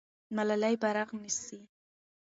ملالۍ بیرغ نیسي.